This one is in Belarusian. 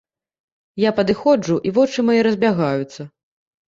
Я падыходжу, і вочы мае разбягаюцца.